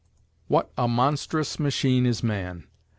What a monstrous machine is man!